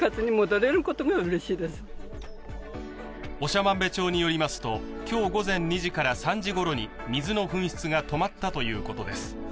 長万部町によりますと、今日午前２時から３じごろに水の噴出が止まったということです。